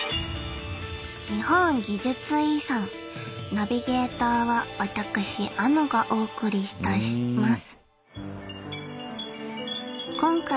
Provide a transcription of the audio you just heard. ナビゲーターは私あのがお送りしたします。